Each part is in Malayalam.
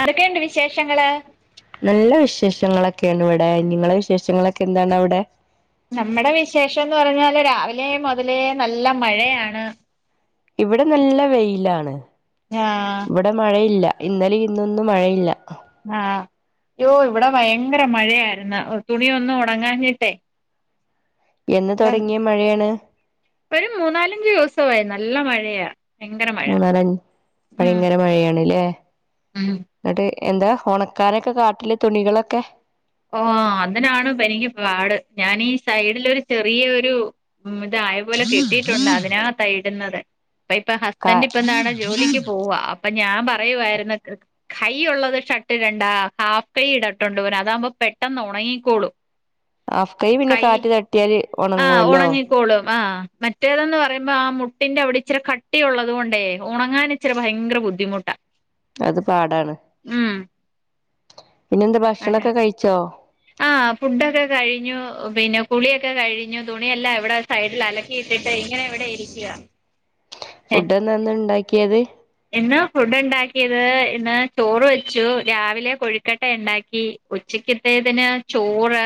ആരൊക്കെണ്ട് വിശേഷങ്ങള് നല്ല വിശേഷങ്ങളൊക്കെയാണ് ഇവിടെ നിങ്ങളെ വിശേഷങ്ങളൊക്കെ എന്താണ് അവടെ നമ്മുടെ വിശേഷംന്ന് പറഞ്ഞാല് രാവിലെ മുതലേ നല്ല മഴയാണ് ഇവിടെ നല്ല വെയിലാണ് ആഹ് വിടെ മഴയില്ല ഇന്നലെ ഇന്നൊന്നും മഴയില്ല ആഹ് യ്യോ ഇവിടെ ഭയങ്കര മഴയായിരുന്ന് തുണിയൊന്നും ഉണങ്ങാഞ്ഞിട്ടേ എന്ന് തുടങ്ങിയ മഴയാണ് പ്പഴും മൂന്നാലഞ്ച് ദിവസവായി നല്ല മഴയ മൂന്നാലൻ ഭയങ്കര മഴയാണ്ലേ ഉം എന്നിട്ട് എന്താ ഒണക്കാനൊക്കെ കാട്ടല് തുണികളൊക്കെ? ഓ അതിനാണ് പ്പ എനിക്ക് പാട് ഞാനീ സൈഡിലോര് ചെറിയഒരു ഉം ഇത് ആയപോലെ കെട്ടിട്ടൊണ്ട് അതിനാത്താ ഇട്ന്നത് പ്പ ഇപ്പ ഹ കാ ബന്റ് ഇപ്പ നാളെ ജോലിക്ക് പോവാ അപ്പൊ ഞാൻ പറയുവാര്ന്ന് കൈ ഒള്ളത് ഷട്ട് ഇടണ്ടാ ഹാഫ്കൈഇടട്ട്ണ്ടൊവാൻ അതാവ്മ്പോ പെട്ടെന്ന് ഒണങ്ങിക്കോളും. ആഫ് കൈ പിന്നെ കാറ്റ് തട്ടിയാല് ഒണങ്ങുവല്ലോ കോളും ആഹ് മറ്റേതെന്ന് പറയ്മ്പ ആ മുട്ടിന്റെ അവ്ടെ ഇച്ചിരി കട്ടിയൊള്ളത് കൊണ്ടേ ഒണങ്ങാന് ഇച്ചര ഭയങ്കര ബുദ്ധിമുട്ടാ അത് പാടാണ് ഉം പിന്നെ എന്താ ഭക്ഷണൊക്കെ കയിച്ചോ? അഹ് ഫുഡൊക്കെ കഴിഞ്ഞു പിന്നെ കുളിയൊക്കെ കഴിഞ്ഞു തുണിയെല്ലാം ഇവ്ടെ സൈഡിൽ അല ട്ടിട്ട് ഇങ്ങനെ ഇവ്ടെ ഇരിക്ക. ഫുഡ് എന്താന്ന് ണ്ടാക്കിയത്? ഇന്ന് ഫുഡ്ണ്ടാക്കിയത് ഇന്ന് ചോറ് വെച്ചു രാവിലെ കൊഴുക്കട്ടയ്ണ്ടാക്കി. ഉച്ചക്കൃത്തേതിന് ചോറ്.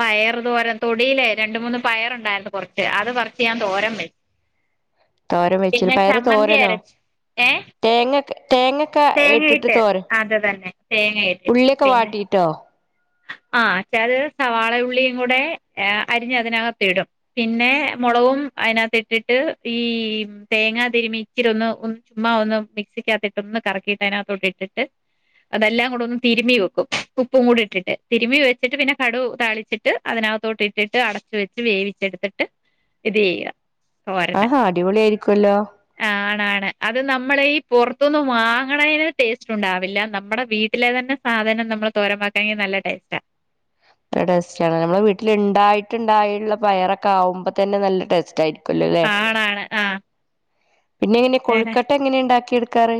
പയറ് തോരന് തൊടിയിലേ രണ്ട് മൂന്ന് പയറൊണ്ടാര്ന്നു കൊറ്ച്ച് അത് പറ്ച്ച് ഞാൻ തോരം വെ തോരം വെച്ചിണ് പയറ് ചമ്മന്തി തോരനോ അരച്ച് ഏഹ് തേങ്ങക്കെ തേങ്ങ ക്ക ഇട്ടിട്ട് തേങ്ങയിട്ട് തോരന് അത് തന്നെ തേങ്ങയിട്ടിട്ട് ഉള്ളി ഒക്കെ പിന്നെ വാട്ടീട്ടോ? ആഹ് [unintelligible] സവാള യുള്ളിയും കൂടെ എ അരിഞ്ഞ് അതിനകത്തിടും. പിന്നെ മൊളകും അയ്നാത്തിട്ടിട്ട് ഈ തേങ്ങാ തിരിമി ഇച്ചിരി ഒന്ന് ഒന്ന് ചുമ്മാ ഒന്ന് മിക്സിക്കാത്തിട്ട് ഒന്ന് കറക്കിട്ടയ്നാത്തോട്ടിട്ട് അതെല്ലാം കൂടെ ഒന്ന് തിര്മിവെക്കും ഉപ്പും കൂടി ഇട്ട്. ട്ട് തിര്മി വെച്ചിട്ട് പിന്നെ കടുതാളിച്ചിട്ട് അതിനാത്തോട്ട് ഇട്ടിട്ട് അടച്ച് വെച്ച് വേവിച്ചെട്ത്ത്ട്ട്. ഇത് ചെയ്യാ. ആഹാ അടിപൊളി ആയിരിക്കുല്ലോ. ആഹ് ആണാണ് അത് നമ്മടെയി പൊറ്ത്തുന്ന് വാങ്ങ്ണയ്ന് ടേസ്റ്റ് ഉണ്ടാവില്ല നമ്മടെ വീട്ടിലെ തന്നെ സാധനം നമ്മള് തോരം [unintelligible] നല്ല ടേസ്റ്റാ. നല്ല ടേസ്റ്റാണ് ഞമ്മളെ വീട്ടിലിണ്ടായിട്ട്ണ്ടായ്ള്ള പയറെതക്കാവ്മ്പ തന്നെ നല്ല ടേസ്റ്റായിരി കൊല്ലുലേ ആണാണ് ആഹ് പിന്നെ എങ്ങനെ ഞാന് കൊഴുക്കട്ട എങ്ങനെയുണ്ടാക്കി എട്ക്കാറ്?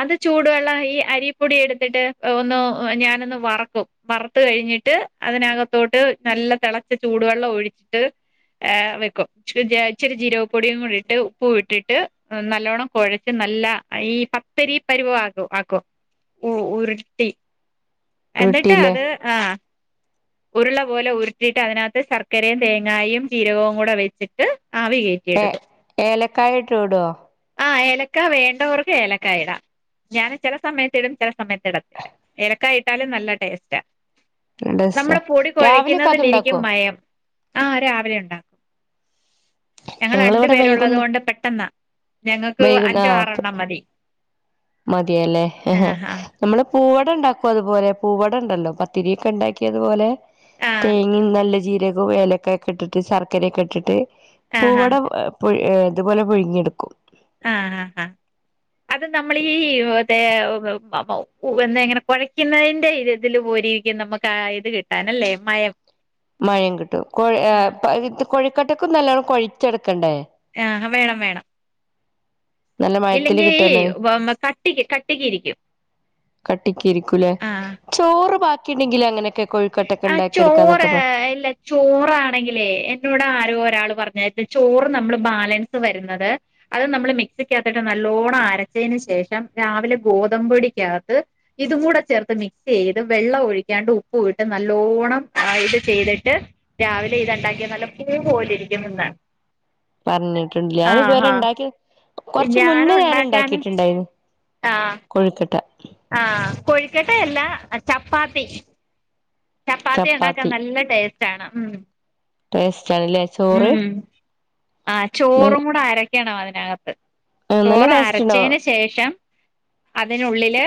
അത് ചൂടുവെള്ളം ഈ അരിപ്പൊടി എട്ത്തിട്ട് ഒന്നു ഞാനൊന്ന് വറക്കും. വറ്ത്ത് കഴിഞ്ഞിട്ട് അതിനകത്തോട്ട് നല്ല തെളച്ച ചൂടുവെള്ളം ഒഴിച്ച്. ഏഹ് വെക്കും ച്ചി ഏ ഇച്ചിരി ജീരകപ്പൊടിയും കൂടെ ഇട്ട് ഉപ്പുവിട്ടിട്ട്. നല്ലോണം കൊഴച്ച് നല്ല ഈ പ ത്തിരി പര് വാക്കും ആക്കും ഉ ഉര്ട്ടി എന്നിട്ട് റൊട്ടിയിലെ അത് ആഹ്. ഉര്ളപോലെ ഉര്ട്ടിട്ട് അതിനാത്ത് ശർക്കരേം തേങ്ങായും ജീരകവും കൂടെ വെച്ചിട്ട് ആവി കേ ഏ ഏലക്കായ ഇട്ട്കൊടുവോ? ആഹ് ഏലക്ക വേണ്ടവർക്ക് ഏലക്കയിടാം. ഞാൻ ചെലസമയത്തിടും. ചെലസമയത്തിടത്തില്ല. ഏലക്കായിട്ടാലും നല്ല ടേസ്റ്റാ നല്ല ടേസ്റ്റാ നമ്മടെ പൊടി രാവിലെയൊക്കെ കൊഴക്ക്ന്നതിലിരിക്കും അതുണ്ടാക്കുവോ മയം ആഹ് രാവിലെയൊണ്ടാക്കും. ഞങ്ങള് രണ്ടു ഞങ്ങളിവിടെ പേരൊള്ളത് വൈകുന്ന കൊണ്ട് പെട്ടെന്നാ ഞങ്ങക്ക് വൈകുന്ന അഞ്ചോ ആ ആറെണ്ണം മതി. മതിയല്ലേ. ആഹ് ആഹ് നമ്മള് പൂവടണ്ടാക്കും അതുപോലെ പൂവടണ്ടല്ലോ പത്തിരിക്കെണ്ടാക്കിയതുപോലെ. ആഹ് തേങ്ങിം നല്ല ജീരകോം ഏലക്കായക്കെയിട്ടിട്ട് ശർക്കരയൊക്കെയിട്ടിട്ട്. ആഹ് ആഹ് പൂവട പുഴ് ഇതുപോലെ പുഴുങ്ങിയെടുക്കും. നമ്മളീ ദേ മ മ എന്തങ്ങനെ കൊഴക്ക്ന്നതിന്റെ ഇതില് പോലിരിക്കും നമ ട്ടാ യിത് കിട്ടാനല്ലേ മയം. മയം കിട്ടും കൊഴ് എ ആഹ് പ ഇത് കൊഴിക്കട്ടക്കും നല്ലോണം കൊഴിച്ചെട്ക്കണ്ടേ? ആഹ് വേണം വേണം. നല്ല മഴത്തില് ഇല്ലെങ്കിൽ കിട്ടാന്ന് വ മ കട്ടിക്ക് കട്ടിക്ക് ഇരിക്കും. കട്ടിക്കിരിക്കും ലെ ആഹ് ചോറ് ബാക്കി ണ്ടെങ്കിൽ അങ്ങനെക്കെ. ആഹ് ചോറ് എല്ല ചോറാണെങ്കിലേ എന്നോട് ആരോ ഒരാൾ പറഞ്ഞായിരുന്നു ചോറ് നമ്മള് ബാലൻസ് വരുന്നത്. അത് നമ്മള് മിക്സിക്കകത്തിട്ട് നല്ലോണം അരച്ചതിന് ശേഷം രാവിലെ ഗോതമ്പൊടിക്കകത്ത്. ഇതും കൂടെ ചേർത്ത് മിക്സ് ചെയ്ത് വെള്ളം ഒഴിക്കാണ്ട്. പൂവിട്ട് നല്ലോണം ആഹ് ഇത് ചെയ്തിട്ട് രാവിലെ ഇത്ണ്ടാക്ക്യ നല്ല പൂ പോലെയിരിക്കുമെന്ന് പർഞ്ഞിട്ട്ണ്ട്ലേ ഞാൻ ഇത് വെരെ ആഹ് ഇണ്ടാക്ക്യോ കൊർച്ച് ഞാനും മുന്നെ ഞാന് ഉണ്ടാക്കാന് ഇണ്ടാക്കീട്ട്ണ്ടായ്നി ആഹ് കൊഴ്ക്കട്ടാ ആഹ് കൊഴ്ക്കെട്ടയല്ലാ ചപ്പാത്തി ചപ്പാത്തിയ്ണ്ടാക്കാൻ ചപ്പാത്തി നല്ല ടേസ്റ്റാണ് ഊം ടേസ്റ്റാണ് ലെ ഉം ആഹ് ചോറും കൂടെ അരയ്ക്കണം അതിനകത്ത് നല്ല ചോറ ടേസ്റ്റ് ഉണ്ടാവും അരച്ചേ‌ന് ശേഷം അതിനുള്ളില്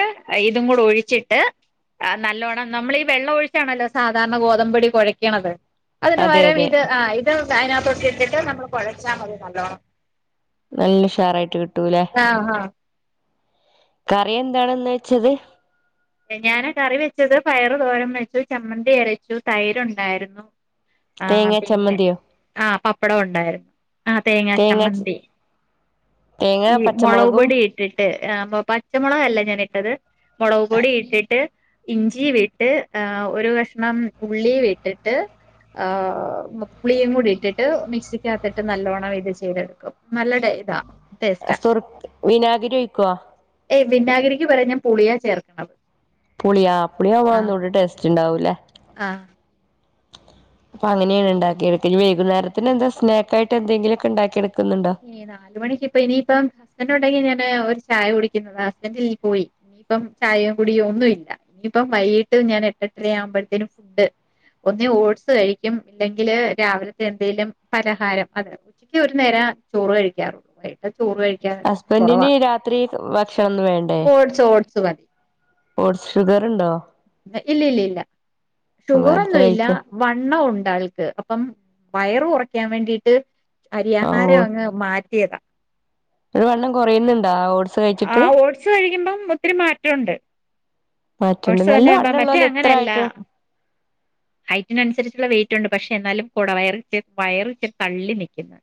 ഇതും കൂടെ ഒഴിച്ചിട്ട് ആഹ് നല്ലോണ്ണം നമ്മളീ വെള്ളം ഒഴിച്ചാണല്ലോ സാധാര്ണ ഗോതമ്പൊടി കൊഴക്ക്ണത് അതെ അതിന്പകരം അതെ ഇത് ആഹ് ഇത് അയ്നക്‌ത്തോട്ടിട്ടിട്ട് നമ്മള് കൊഴച്ചാമതി നല്ലോണം നല്ല ഉഷാറായ്ട്ട് കിട്ടൂലേ ആഹ് ഹാഹ് കറി എന്താണ്ന്ന് വെച്ച്ത് ഞാന് കറി വെച്ചെത് പയറ് തോരം വെച്ചു ചമ്മന്തി അരച്ചു തൈരുണ്ടായ്ര്ന്നു ആഹ് തേങ്ങാ പിന്നെ ചമ്മന്തിയോ ആഹ് പപ്പടം ഉണ്ടായ്ര് ആഹ് തേങ്ങാ തേങ്ങ ചമ്മന്തി തേങ്ങ ഈ മൊളക് പച്ചമുളകും പൊടീ ട്ടിട്ട് ഏഹ് പോ പച്ചമാെളകല്ല ഞാനിട്ടത് മാെളകു പൊടി ഇട്ടിട്ട് ഇഞ്ചീം വിട്ട് ആഹ് ഒരു കഷ്ണം ഉള്ളീം വിട്ട്ട്ട് ആഹ് പുളിയും കൂടെ ഇട്ടിട്ട് മിക്സിക്കകത്തിട്ട് നല്ലോണം ഇത് ചെയ്തെട്ക്കും നല്ല ടെ ഇതാ ടേസ്റ്റാ സുർക് വിനാഗിരി ഒയ്ക്കോ ഏയ് വിനാഗിരിയ്ക്ക് പകരം പുളിയാ ചേർക്ക്ണത് പുളിയാ പുളിയാവുമ്പം ഒന്നൂടെ ടേസ്റ്റ്ണ്ടാവു ലേ ആഹ് അപ്പ അങ്ങനെയാണ് ഇണ്ടാക്കിയതൊക്കെ ഞ്ഞ് വെയ്കുന്നേരത്തിനെന്താ സ്നാ ക്കായിട്ട് എന്തെങ്കിലൊക്കെ ണ്ടാക്കി എട്ക്ക്ന്ന്ണ്ടോ ഏഹ് നാല് മണിക്ക് ഇപ്പ ഇനിയിപ്പം ഹസ്ബന്റ് ഉണ്ടെങ്കി ഞാന് ഒര് ചായ കുടിക്ക്ന്നതാ ഹസ്ബന്റ് ൽ പോയി ഇനിയിപ്പം ചായെ കുടിയാെ ഒന്നും ഇല്ല ഇനിയിപ്പം വൈകിട്ട് ഞാൻ എട്ട് എട്ടെര്യാവുംമ്പഴ്ത്തേനും ഫുഡ്ഡ് ഒന്നേ ഓട്സ് കഴിക്കും ഇല്ലെങ്കില് രാവിലത്തെ എന്തേലും പലഹാരം അതെ ഉച്ചക്ക് ഒര് നേരാ ചോറ് കഴിക്കാറൊള്ളൂ വൈകീട്ട് ചോറ് കഴി ക്ക്യാ കാെറവാ ഹസ്ബൻഡിന് രാത്രി ഭക്ഷണൊന്നും വേണ്ടേ ഓട്സ് ഓട്സ് മതി ഓട്സ് ഷുഗർ ഉണ്ടോ ഇല്ലില്ലില്ല നേരത്തെ ഷുഗറൊന്നും ഇല്ലാ കഴിക്കും വണ്ണം ഉണ്ട് ആൾക്ക് അപ്പം വയറ് കൊറയ്ക്കാൻ വേണ്ടീട്ട് അരി ആ ആഹാരം ങ്ങ് മാറ്റിയതാ ട്ട് വണ്ണം കാെറയ്ന്ന്ണ്ടാ ഓട്സ് കഴിച്ചിട്ട് ആഹ് ഓട്സ് കഴിക്കുമ്പം ഒത്തിരി മാറ്റൊണ്ട് മാറ്റണ്ട് ഓട്സ് നല്ല തന്നെ ആകുമ്പം വണ്ണമുള്ള മറ്റേ പോലെ എത്ര അങ്ങെനെയല്ലാ ആയിട്ടും ഹൈറ്റിനൻസരിച്ചുള്ള വെയിറ്റുണ്ട് പക്ഷേ എന്നാലും കൊട വയറ്ണ്ട് വയറ് ഇച്ച് തള്ളി നിക്ക്ന്ന്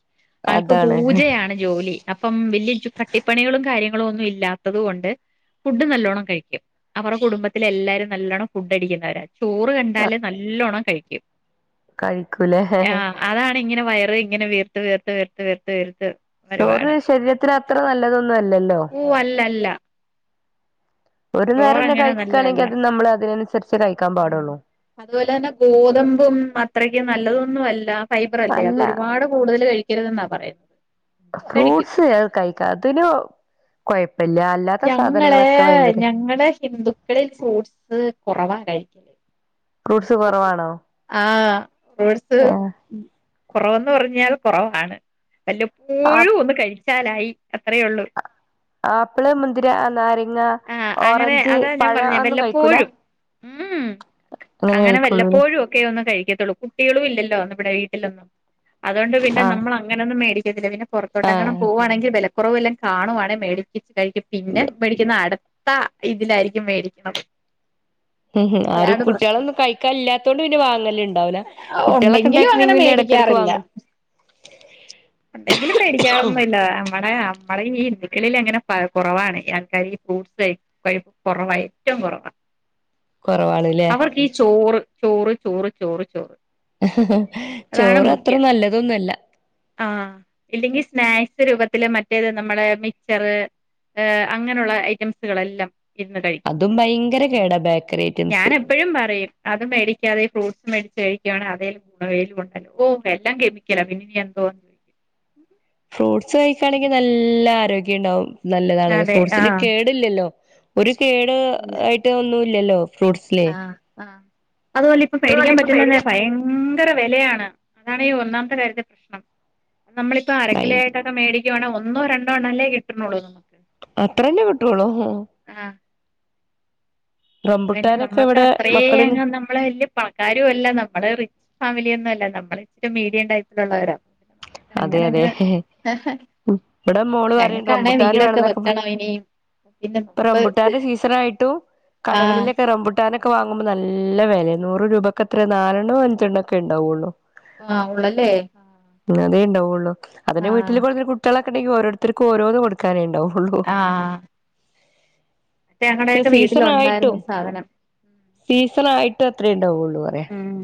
ആൾക്ക് അതാണ് പൂജയാണ് ജോലി അപ്പം വെല്യ ജോ കട്ടിപ്പണികളും കാര്യങ്ങളും ഒന്നും ഇല്ലാത്തത് കൊണ്ട് ഫുഡ്ഡ് നല്ലോണം കഴിക്കും കുടുംബത്തിലെല്ലാരും നല്ലോണം ഫുഡ്ഡടിക്ക്ന്നവരാ ചോറ് കണ്ടാല് നല്ലോണം കഴിക്കും കഴിക്കുലേ അതാണിങ്ങനെ വയറ് ഇങ്ങനെ വീർത്ത് വീർത്ത് വീർത്ത് വീർത്ത് വീർത്ത് ചോറ് വരുവാണ് ശരീരത്തിന് അത്ര നല്ലതൊന്നും അല്ലല്ലോ. ഓഹ് അല്ലല്ല ഒരു നേരന്നെ ചോറങ്ങനെ കഴിക്കാണെങ്കി നല്ലതല്ല അത് നമ്മള് അതിനൻസരിച്ചേ കഴിക്കാൻ പാടൊള്ളൂ അതുപോല തന്നെ ഗോതമ്പും അത്രക്ക് നല്ലതൊന്നും അല്ല ഫൈബറല്ലേ, അത് അല്ല ഒരുപാട് കൂടുതല് കഴിക്കര്തെന്നാ പറയുന്നെ ഫ്രൂട്ട്സ് കഴിക്കാം, അതിന് കൊഴപ്പില്ല അല്ല ഞങ്ങള് ഞങ്ങള് ഹിന്ദുക്കളിൽ ഫ്രൂട്ട്സ് കുറവാ കഴിക്കല് ഫ്രൂട്ട്സ് കുറവാണോ ആഹ് ഫ്രൂട്സ് ഏഹ് ഉം കൊറവന്ന് പറഞ്ഞാൽ കുറവാണ്, ആ വല്ലപ്പോഴും ഒന്ന് കഴിച്ചാലായി അത്രേ ഒള്ളൂ ആപ്പ്ള് മുന്തിരി അ നാരങ്ങ ആഹ് അങ്ങനെ ഓറഞ്ച് അതാ ഞാൻ പഴം പറഞ്ഞെ അതൊന്നും കഴിക്കൂല വല്ലപ്പോഴും ഉം അങ്ങനെ വല്ലപ്പോഴും ഒക്കെ ഒന്ന് കഴിക്കത്തൊള്ളു കു ട്ടികളും ഇല്ലല്ലോ നമ്മുടെ വീട്ടിലൊന്നും, അത്കൊണ്ട് പിന്നെ ആഹ് നമ്മള് അങ്ങനൊന്നും മേടിക്കത്തില്ല, പിന്നെ പൊറത്തോട്ടെങ്ങാണും ആഹ് പോകുവാണെങ്കി വെലക്കുറവുവല്ലോം കാണുവാണേ മേടിപ്പിച്ച് കഴിക്കും. പിന്നെ ഉം മേടിക്കുന്നെ അടു ത്ത ഇതിലായിരിക്കും മേടിക്കണത് ഉം ഉം ആരും കുട്ട്യാളോന്നും കഴിക്കാൻ ഇല്ലാത്തോണ്ട് പിന്നെ വാങ്ങല്ണ്ടാവൂല. കുട്ട്യാളൊക്കെ ണ്ടായിട്ട്ണ്ടെങ്കി പിന്നെ എട ക്കാറില്ല [unintelligible] ഉണ്ടങ്കിലും മേടിക്കാറൊന്നുമില്ല, നമ്മടെ നമ്മടെ ഈ ഹിന്ദുക്കളിൽ അങ്ങനെ പ കൊറവാണ്, ഈ ആൾക്കാര് ഫ്രൂട്ട്സ് [inaudible] എപ്പഴും കൊറവാ ഏറ്റവും കൊറവാ കുറവാണ്ല്ലേ അവർക്കീ ചോറ് ചോറ് ചോറ് ചോറ് ചോറ് അതാണ് ചോറ് അത്ര മുഖ്യം നല്ലതൊന്നുല്ല ആഹ് ഇല്ലെങ്കിൽ സ്നാക്സ് രൂപത്തില് മറ്റേത് നമ്മളെ മിച്ചറ് അങ്ങനുള്ള ഐറ്റംസുകളെല്ലാം ഇരുന്ന് കഴിക്കും അതും ഭയങ്കര കേടാ ബേക്കറി ഐറ്റംസ് എപ്പഴും പറയും അത് മേടിക്കാതെ ഫ്രൂട്ട്സ് മേടിച്ച് കഴിക്കുകവാണെ അതേ വേലും ഒണ്ടല്ലോ, ഓഹ് എല്ലാം കെമിക്കലാ പിന്നിനി എന്തോവാ ഫ്രൂട്ട്സ് കഴിക്കാണെങ്കിൽ നല്ല ആരോഗ്യണ്ടാവും, നല്ലതാണത്. അതെ ഫ്രൂട്ട്സില് ആഹ് കേടില്ലല്ലോ? ഒരു കേട് ഇല്ല ആയിട്ട് ഒന്നുല്ലല്ലോ? ആഹ് ആഹ് അതുവല്ല ഇപ്പം മേടിക്കാൻ പറ്റൂലന്നെ ഭയ ങ്കര വെലയാണ്, അതാണ് ഈ ഒന്നാമത്തെ കാര്യത്തെ പ്രശ്നം. നമ്മളിപ്പോ ഭയ അരക്കിലോയൊക്കെ ക്ക മേടിക്കുവാണേൽ ഒന്നൊ രണ്ടോ എണ്ണം അല്ലേ കിട്ട്ണോള്ളൂ അത്രന്നേ കിട്ടൊള്ളു ഉം ആഹ് പിന്നെ റംബുട്ടാനൊക്കെ നമ്മൾക്ക് ഇവിടെ അത്രേം മക്കളിന് അങ്ങ് നമ്മള് വല്ല്യ പണക്കാരും അല്ല, നമ്മള് റി ഫാമിലിയൊന്നും അല്ല, നമ്മള് ഇച്ചിരി മീഡിയം ടൈപ്പിലുള്ളവരാ അതെ അതെ അങ്ങനങ്ങ് അഹ് ഇവിടെ മോള് പറയും ഞങ്ങക്കാണേ റംബുട്ടാന് വീടൊക്കെ വേണംന്നൊക്കെ വെക്കണം ഇപ്പൊ ഇനീം പിന്നെ [unintelligible] സണായിട്ടും ആഹ് കടകളിലൊക്കെ റമ്പൂ ട്ടാനൊക്കെ വാങ്ങുമ്പോ നല്ല വെലയാ, നൂറ് രൂപക്കെത്രയാ നാലെണ്ണോ അഞ്ചെണ്ണോ ക്കെണ്ടാവൊള്ളൂ ആഹ് ഉള്ളല്ലേ? അതേണ്ടാവൊള്ളു, അതന്നെ വീട്ടില് ആഹ് ഇത്പോലെ കുട്ട്യാളൊക്കണ്ടെങ്കില് ഓരോര്ത്തർക്കു ഓരോന്ന് കൊടു ക്കാനേണ്ടാവൊള്ളൂ ആഹ് ഞങ്ങടെയൊക്കെ വീട്ടില് ഒണ്ടായിരുന്നു ഈ സാധനം സീസണായിട്ട് അത്രേണ്ടാവൊള്ളൂ പറയാൻ ഉം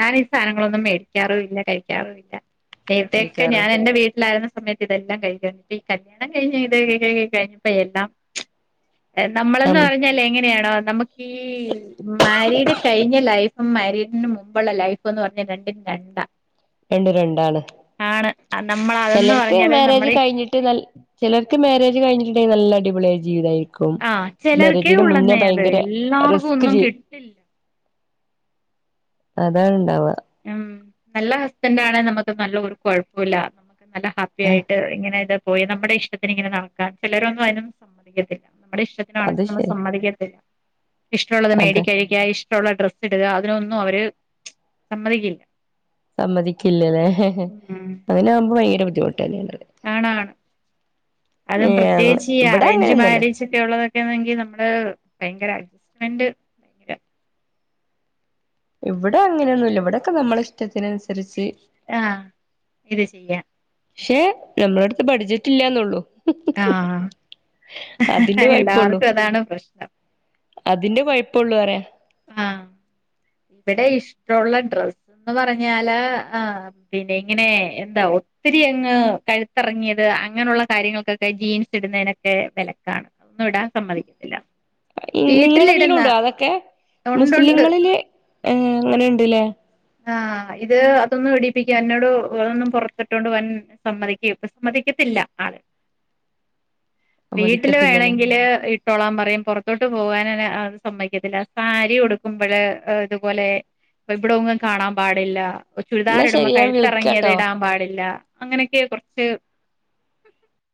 ഞാൻ ഈ സാധനങ്ങളൊന്നും മേടിക്കാറുല്ല കഴിക്കാറുല്ല നേരത്തൊക്കെ കഴിക്കാറ് ഞാൻ എൻറെ വീട്ടിലായിരുന്ന സമയത്ത് ഇതെല്ലാം കഴിക്കുവായിരുന്നു പ്പ ഈ കല്യാണം കഴിഞ്ഞ് ഇത് കഴിഞ്ഞപ്പോ എല്ലാം നമ്മളന്ന് ഉം പറഞ്ഞാൽ എങ്ങനെയാണോ നമുക്ക് ഈ മാരിഡ് കഴിഞ്ഞ ലൈഫ് മരീഡിന് മുമ്പുള്ള ലൈഫ് ന്ന് പറഞ്ഞ രണ്ടും രണ്ടാ രണ്ട് രണ്ടാണ് ആണ് നമ്മൾ അതെന്ന് ചിലർക്ക് പറഞ്ഞാല് മാരേജ് നമ്മുടെ കഴിഞ്ഞി ട്ട് നൽ ചിലർക്ക് മാരേജ് കഴിഞ്ഞിട്ടുണ്ടെങ്കിൽ നല്ല അടിപൊളി ആയ ജീവിതമായിരി ക്കും ആ ചിലർക്കേ മരേജിന് മുന്നേ ഉള്ളെന്നേ അത് ഭയങ്കര എല്ലാവർക്കും റിസ്ക് ഒന്നും ജീ കിട്ടില്ല അതാണ് ണ്ടാവ്ക ഉം നല്ല ഹസ്ബൻറ് ആണെ നമുക്ക് നല്ല ഒരു കുഴപ്പല്ല നല്ല ഹാപ്പി ആയിട്ട് ഇങ്ങനെ ഇത് പോയി നമ്മടെ ഇഷ്ടത്തിന് ഇങ്ങനെ നടക്കാൻ ചിലരൊന്നും അതിനൊന്നും സമ്മതിക്കത്തില്ല നമ്മടെ ഇഷ്ടത്തി ത്തിന് അത് നടക്കാൻ നമ്മ ശരി സമ്മതിക്കത്തില്ല ഇഷ്ടമുള്ളത് അതെ മേടികഴിക്കുക ഇഷ്ടമുള്ള ഡ്രസ്സ് ഇടുക അതിനൊന്നും അവര് സമ്മതിക്കില്ല സമ്മതിക്കില്ലല്ലേ ഉം അതിനാകുമ്പോ ഭയങ്കര ബുദ്ധിമുട്ട് തന്നെയള്ളത് ആണാണ് അതും ഏ പ്രത്യേകിച്ച് ഈ ഇവിടെ അറേഞ്ച് അങ്ങനെയൊന്നുല്ല മാരേജ് ക്കെ ഉള്ളതൊക്കെ ആണെങ്കിൽ നമ്മള് ഭയങ്കര അഡ്ജസ്റ്റ്മെന്റ് ഭയങ്കര ഇവിടെ അങ്ങനെയൊന്നുല്ല ഇവിടെക്ക നമ്മള ഇഷ്ടത്തിനനുസരിച്ച് ആഹ് ഇത് ചെയ്യാം ക്ഷെ നമ്മുടെ അടുത്ത് ബഡ്ജറ്റ് ഇല്ലന്നുള്ളു ആഹ് അതിന്റെ കൊഴപ്പള്ളൂ എല്ലാർക്കും അതാണ് പ്രശ്നം അതിന്റെ കൊയ്പ്പള്ളൂ അറയാ ആഹ് ഇവിടെ ഇഷ്ട്ടൊള്ള ഡ്രസ്ന്ന് പറഞ്ഞാല് ആഹ് പിന്നെ ഇങ്ങനെ എന്താ ഒത്തിരി അങ്ങ് കഴുത്തിറങ്ങിയത് അങ്ങനെയുള്ള കാര്യങ്ങൾക്കൊക്കെ ജീൻസ് ഇടുന്നതിനൊ ക്കെ വിലക്കാണ് അതൊന്നും ഇടാൻ സമ്മതിക്കത്തില്ല നിങ്ങളതിലും വീട്ടിലിടുന്ന ഉണ്ടോ അതൊക്കെ ഉണ്ടുണ്ട് മുസ്ലിങ്ങളില് അങ്ങനെ ണ്ട്ല്ലേ ആഹ് ഇത് അതൊന്നും ഇടിപ്പിക്കാ എന്നോട് അതൊന്നും പുറത്തിട്ടോണ്ട് പോവാൻ- സമ്മതിക്ക ഇപ്പസമ്മതിക്കത്തില്ല ആള് വീട്ടില് സമ്മതിക്കത്തില്ലല്ലേ വേണെങ്കില് ഇ ട്ടോളാൻ പറയും പുറത്തോട്ട് പോകാനാണെ അത് സമ്മക്കത്തില്ല സാരി ഉടുക്കുമ്പഴ് ഇതുപോലെ [unintelligible] കാണാൻ പാടില്ല ചുരിദാർ എന്നാ ഇടുമ്പോ ശരി ഞാൻ കഴുത്തിറങ്ങിയത് വിളിക്കാട്ടോ ഇടാൻ പാടില്ല അങ്ങനെയൊക്കെ കുറച്ച്